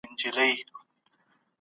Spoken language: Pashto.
هغه ښځه چې زغم لري، د کور سکون ساتلی شي.